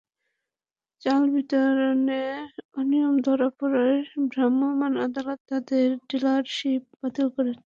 চাল বিতরণে অনিয়ম ধরা পড়ায় ভ্রাম্যমাণ আদালত তাঁদের ডিলারশিপ বাতিল করেন।